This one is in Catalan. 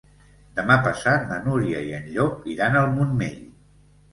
Demà passat na Núria i en Llop iran al Montmell.